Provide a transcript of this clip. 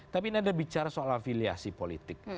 tapi ini ada bicara soal afiliasi politik